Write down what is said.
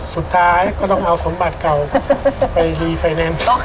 สุดท้ายก็ต้องเอาสมบัติเก่าไปรีไฟแนนซ์